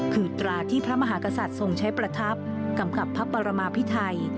คือตราที่พระมหากษัตริย์ทรงใช้ประทับกำกับพระปรมาพิไทย